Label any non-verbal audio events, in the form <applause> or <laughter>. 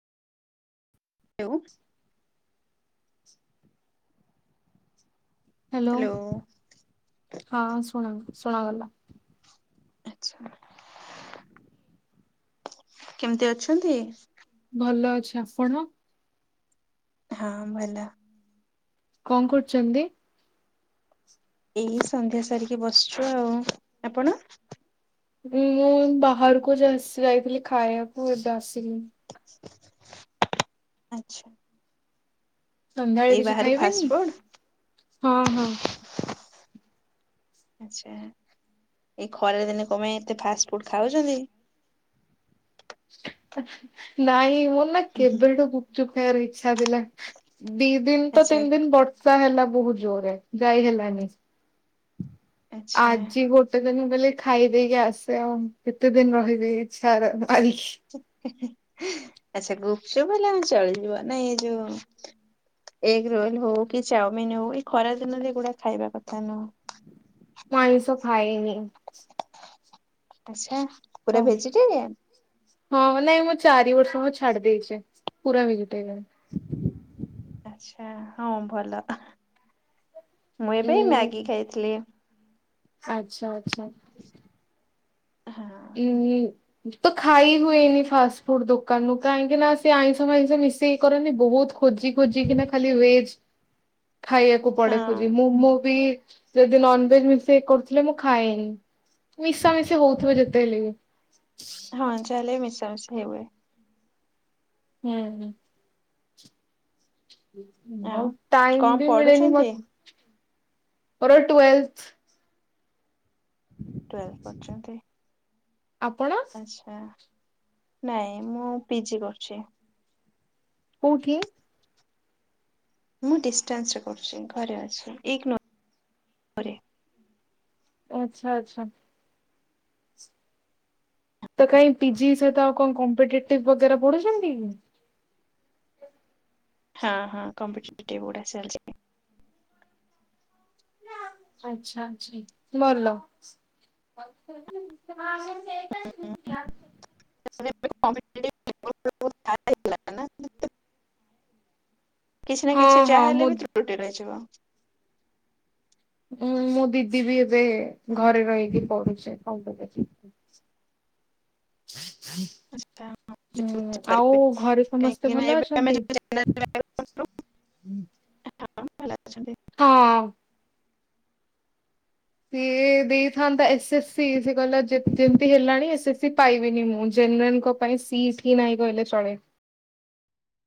ହେଉ ହ୍ୟାଲୋ ହଁ ଶୁଣ ଶୁଣାଗଲା। ଆଚ୍ଛା। କେମିତି ଅଛନ୍ତି। ଭଲ ଅଛି ଆପଣ। ହଁ ଭଲ। କଣ କରୁଚନ୍ତି। ଏଇ ସନ୍ଧ୍ୟା ସାରିକି ବସିଚୁ ଆଉ ଆପଣ। ବି ଏ ବାହାରକୁ ବାସ୍ ଯାଇଥିଲି ଖାଇବାକୁ ଏବେ ଆସିଲି। <inaudible> ଆଚ୍ଛା। ସନ୍ଧ୍ୟାଳେ ଏଇ କିଛି ବାହାରୁ ଫାଷ୍ଟ ଖାଇବେନି ଫୁଡ? ହଁ ହଁ। ଆଚ୍ଛା ଏଇ ଖରାରେ ଦିନେ କପାଇଁ ଏତେ ଫାଷ୍ଟ ଫୁଡ ଖାଉଚନ୍ତି। <unintelligible> ନାଇଁ ମୋର ନା କେବେଠୁ ଗୁପଚୁପ ଖାଇବାର ଇଛା ଥିଲା। ଦି ଦିନ ତ ଆଚ୍ଛା ତିନି ଦିନ ବର୍ଷା ହେଲା ବହୁତ ଜୋରେ ଯାଇ ହେଲାନି। ଆଚ୍ଛା। ଆଜି ଗୋ ଟେ ଦିନ ମୁଁ କହିଲି ଖାଇ ଦେଇକି ଆସେ ଆଉ କେତେ ଦିନ ରହିବି ଇଛା ର ମାରିକି। <inaudible> ଆଛା ଗୁପଚୁପ ହେଲେ ଆମ ଚଳିଯିବ ନା ଏ ଯୋଉ ଏଗ ରୋଲ ହଉ କି ଚାଉମିିନ ହଉ ଏଇ ଖରା ଦିନରେ ଗୁଡା ଖାଇବା କଥା ନୁହଁ। ମୁଁ ଆଇଁଷ ଖାଏନି। ଆଚ୍ଛା ପୁରା ତ ଭେଜିଟେରିୟନ। ହଁ ନାଇଁ ମୁଁ ଚାରି ବର୍ଷ ହବ ଛାଡି ଦେଇଚି ପୁରା ଭେଜିଟରୀୟନ୍। ଆଛା ହଁ ଭଲ ମୁଁ ଉଁ ଏବେ ମ୍ୟାଗି ଖାଇଥିଲି। ଆଛା ଆଛା। ହଁ। ଉଁ ହୁଁ। ତ ଖାଇ ହୁଏନି ଫାଷ୍ଟ ଫୁଡ ଦୋକାନରୁୁ କାହିଁକି ନା ସେ ଆଇଁଷ ଫାଇଁଷ ମିଶେଇକି କରନ୍ତି ବହୁତ ଖୋଜି ଖୋଜିିକିନା ଖାଲି ଭେଜ ଖାଇବାକୁ ପଡେ ହଁ ଖୋଜି ମୁ ମୋ ବି ଯଦି ନନଭେଜ ମିଶେଇ କରୁଥିଲେ ମୁଁ ଖାଏନି ମିଶା ମିଶି ହଉଥିବ ଯେତେ ହେଲେ ବି। ହଁ ଯାହାଲେ ମିଶା ମିସି ହେବେ। ହୁଁହୁଁ। ଆ ଆଉ ଟାଇମ କଣ ବି ମିଳେନି ପଢୁଛନ୍ତି ମ ମୋର ଟୁଏଲ୍ଟ। ଟୁୱେଲ୍ଥ ପଢ଼ୁଚନ୍ତି ଆପଣ ଆଛ। ହଁ ନାଇଁ ମୁଁ ପି ଜି କରୁଚି। କେଉଠି। ମୁଁ ଡିଷ୍ଟାନ୍ସ ରେ କରୁଚି ଘରେ ଅଛି ଏକ ନ ଆଚ୍ଛା ଆଚ୍ଛା। ତ କାଇଁ ପି ଜି ସ୍ ସେ ତ ଆଉ କଣ କମ୍ପିଟେଟିଭ ବଗେରା ପଢୁଛନ୍ତି କି। ହଁ ହଁ କମ୍ପିଟେଟିଭ୍ ପଢ଼ା ଚାଲିଚି। ଆଚ୍ଛା ଆଚ୍ଛି ଭଲ। <inaudible> <unintelligible> କିଛି ନା ହଁ କିଛି ହଁ ଚାହା ମୁଁ ହେଲେ ବି ତ୍ରୁଟି ରହିଯିବ। ଉଁ ମୋ ଦିଦି ବି ଏବେ ହଁ ଘରେ ରହିକି ପଢୁଚି। <unintelligible> ହଁ ଆଚ୍ଛା। ଆଉ ଘରେ ସମସ୍ତେ କାହିଁକି ନା ଭଲ ଏବେ ଆମେ ଅଛନ୍ତି। ଯୋଉ ଜେନେରାଲ ହଁ। ସିଏ ଦେଇଥାନ୍ତା ଏସ୍ ଏସ୍ ସି। ସେ କହିଲା ଯେମତି ହେଲାଣି ଏସ୍ଏସ୍ ସି ପାଇବିନି ମୁଁ, ଜେନେରାଲ କ ପାଇଁ ସିଟି ନାଇଁ କହିଲେ ଚଳେ।